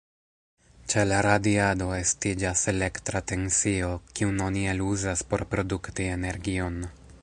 Ĉe la radiado, estiĝas elektra tensio, kiun oni eluzas por produkti energion.